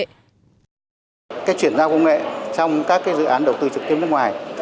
cái chuyển giao công nghệ trong các dự án đầu tư trực tiếp nước ngoài